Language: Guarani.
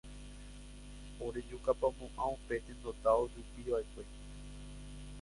orejukapamo'ã upe tendota ojupiva'ekue